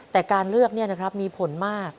แต่การเลือกเนี่ยนะครับมีผลมาก